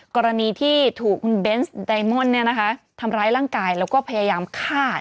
กรณีที่ถูกคุณเบนส์ไดมอนด์ทำร้ายร่างกายแล้วก็พยายามฆ่า